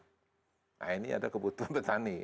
nah ini ada kebutuhan petani